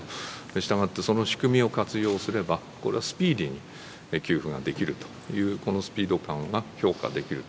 したがって、その仕組みを活用すれば、これはスピーディーに給付ができるという、このスピード感は評価できると。